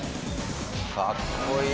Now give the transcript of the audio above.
かっこいい！